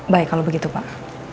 baik kalau begitu pak